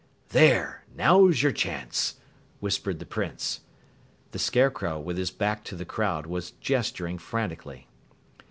"There! Now's your chance," whispered the Prince. The Scarecrow, with his back to the crowd, was gesturing frantically.